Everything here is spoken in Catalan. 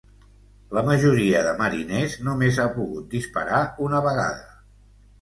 La majoria de mariners només ha pogut disparar una vegada.